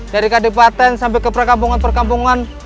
dari kadipaten sampai ke perkampungan perkampungan